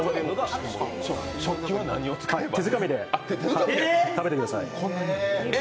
手づかみで食べてください。